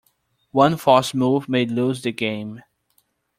One false move may lose the game.